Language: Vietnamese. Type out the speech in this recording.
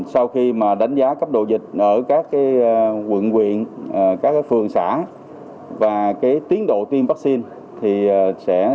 sau khi đánh giá cấp độ dịch ở các quận quyền các phường xã và tiến độ tiêm vaccine